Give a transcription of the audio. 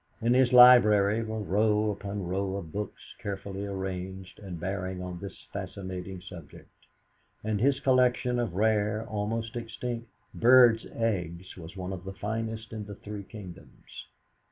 In his library were row upon row of books carefully arranged and bearing on this fascinating subject; and his collection of rare, almost extinct, birds' eggs was one of the finest in the "three kingdoms."